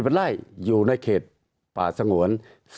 เป็นไร่อยู่ในเขตป่าสงวน